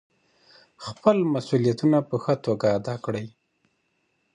خپل مسؤلیتونه په ښه توګه ادا کړئ.